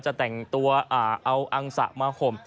จะแต่งตัวเอาอังสะมาห่ม